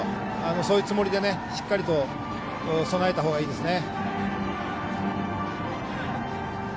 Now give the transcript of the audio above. そういうつもりでしっかりと備えたほうがいいですね。